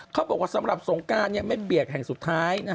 เขาบอกว่าสำหรับสงการไม่เปียกแห่งสุดท้าย